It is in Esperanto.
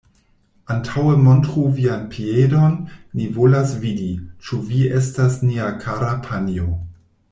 Antaŭe montru vian piedon, ni volas vidi, ĉu vi estas nia kara panjo.